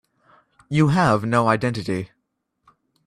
You have no identity.